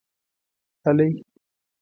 هلئ!